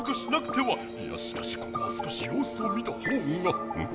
いやしかしここは少しようすを見たほうがん？